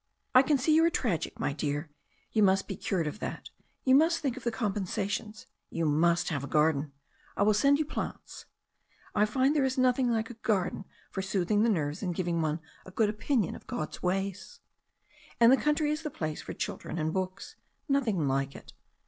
"I can see you are tragic, my dear. You must be cuted of that. You must think of the compensations. You must have a garden. I will send you plants. I find there is noth ing like a garden for soothing the nerves and giving one a good opinion of God's ways. And the country is the place for children and books. Nothing like it.